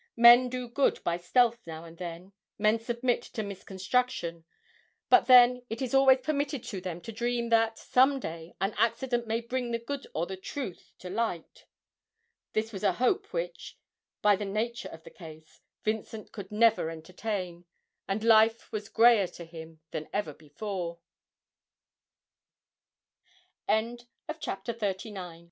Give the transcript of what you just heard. Men do good by stealth now and then, men submit to misconstruction, but then it is always permitted to them to dream that, some day, an accident may bring the good or the truth to light. This was a hope which, by the nature of the case, Vincent could never entertain, and life was greyer to him even than before. CHAPTER XL. THE EFFECTS OF AN EXPLOSION. Mrs. Featherstone m